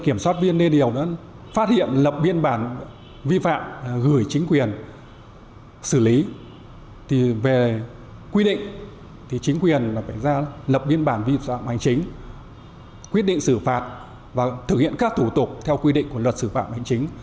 hành chính quyết định xử phạt và thực hiện các thủ tục theo quy định của luật xử phạm hành chính